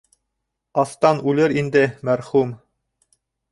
Астан үлер инде, мәрхүм.